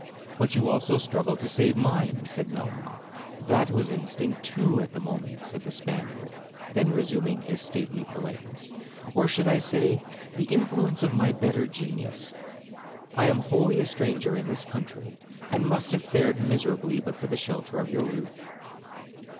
'But you also struggled to save mine,' said Melmoth. 'That was instinct too at the moment,' said the Spaniard; then resuming his stately politeness, 'or I should say, the influence of my better genius. I am wholly a stranger in this country, and must have fared miserably but for the shelter of your roof.'